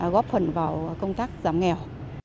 góp phần vào công tác giảm nghèo